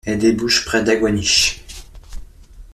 Elle débouche près d'Aguanish.